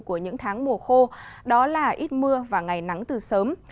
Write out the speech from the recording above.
của những tháng mùa khô đó là ít mưa và ngày nắng từ sớm